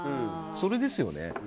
それですよね。